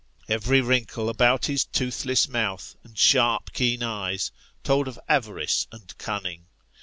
Every wrinkle about his toothless mouth, and sharp keen eyes, told of avarice and cunning.